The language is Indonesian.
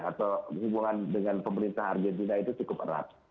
atau hubungan dengan pemerintah argentina itu cukup erat